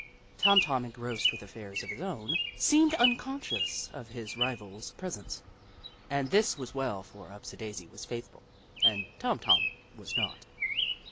Tom Tom, engrossed with affairs of his own, seemed unconscious of his rival's presence, and this was well, for Upsidaisi was faithful and Tom Tom was not.